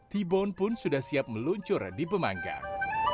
t bone pun sudah siap meluncur di pemanggang